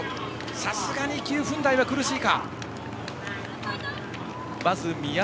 さすがに９分台は苦しいか。